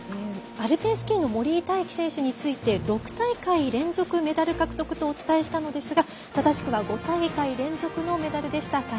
アルペンスキーの森井大輝選手について６大会連続メダル獲得とお伝えしたんですが正しくは５大会連続のメダルでした。